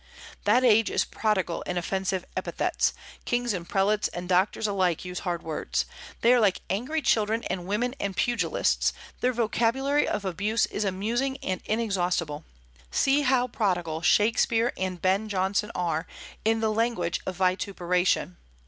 That age is prodigal in offensive epithets; kings and prelates and doctors alike use hard words. They are like angry children and women and pugilists; their vocabulary of abuse is amusing and inexhaustible. See how prodigal Shakspeare and Ben Jonson are in the language of vituperation.